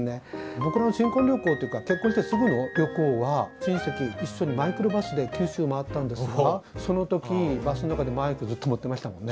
僕の新婚旅行というか結婚してすぐの旅行は親戚一緒にマイクロバスで九州回ったんですがその時バスの中でマイクずっと持ってましたもんね。